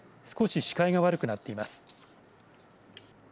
少し視界が悪くなっています。